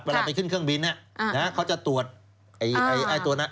ไปขึ้นเครื่องบินเขาจะตรวจไอ้ตัวนั้น